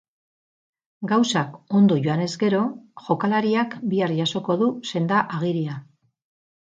Gauzak ondo joanez gero, jokalariak bihar jasoko du senda-agiria.